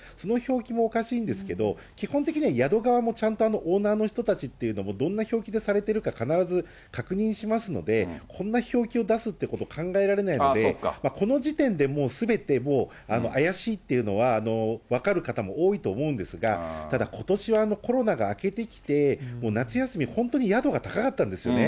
そこから４４キロっていう、その表記もおかしいんですけど、基本的には宿側もちゃんとオーナーの人たちっていうのも、どんな表記でされてるか、必ず確認しますので、こんな表記を出すっていうこと、考えられないので、この時点でもうすべてもう怪しいっていうのは分かる方も多いと思うんですが、ただ、ことしはコロナが明けてきて、夏休み、本当に宿が高かったんですよね。